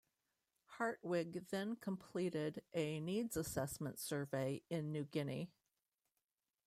Hartwig then completed a needs assessment survey in New Guinea.